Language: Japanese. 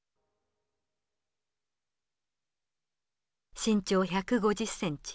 身長１５０センチ。